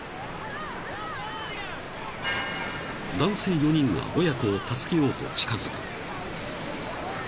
［男性４人が親子を助けようと近づく］